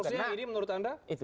harusnya ini menurut anda